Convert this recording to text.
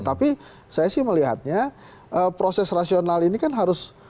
tapi saya sih melihatnya proses rasional ini kan harus